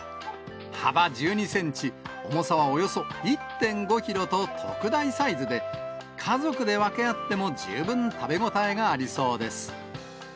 幅１２センチ、重さはおよそ１．５キロと、特大サイズで、家族で分け合っても十分食べ応えがありそうです。